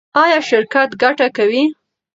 ایا شرکت ګټه کوي؟